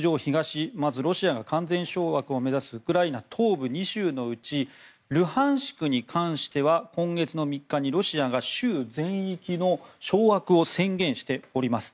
まずロシアが完全掌握を目指すウクライナ東部２州のうちルハンシクに関しては今月３日にロシアが州全域の掌握を宣言しております。